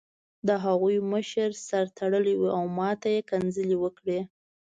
د هغوی مشر سر تړلی و او ماته یې کنځلې وکړې